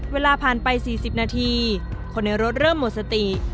เวลาผ่านไป๔๐นาทีคนในรถเริ่มหมดสติ